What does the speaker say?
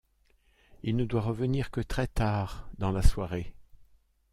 Il ne doit revenir que très tard dans la soirée...